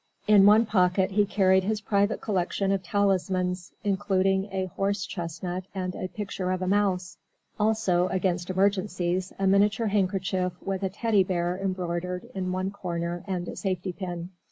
In one pocket he carried his private collection of talismans, including a horse chestnut and a picture of a mouse. Also, against emergencies, a miniature handkerchief with a teddy bear embroidered in one corner and a safety pin.